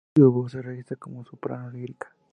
Su voz se registra como soprano lírica.